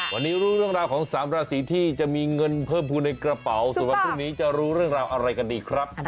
วันนี้รู้เรื่องราวของสามราศีที่จะมีเงินเพิ่มภูมิในกระเป๋าส่วนวันพรุ่งนี้จะรู้เรื่องราวอะไรกันดีครับ